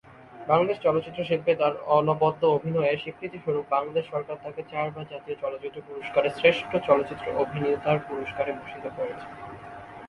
বাংলাদেশের চলচ্চিত্র শিল্পে তার অনবদ্য অভিনয়ের স্বীকৃতিস্বরূপ বাংলাদেশ সরকার তাকে চারবার জাতীয় চলচ্চিত্র পুরস্কারের শ্রেষ্ঠ চলচ্চিত্র অভিনেতার পুরস্কারে ভূষিত করেছে।